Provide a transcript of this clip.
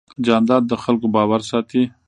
جانداد د خلکو باور ساتي.